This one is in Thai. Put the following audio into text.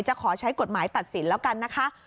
จะขอใช้กฎหมายตัดสินแล้วกันนะคะ